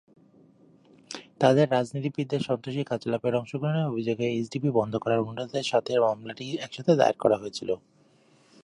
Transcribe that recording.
তাদের রাজনীতিবিদদের সন্ত্রাসী কার্যকলাপে অংশগ্রহণের অভিযোগে এইচডিপি বন্ধ করার অনুরোধের সাথে মামলাটি একসাথে দায়ের করা হয়েছিল।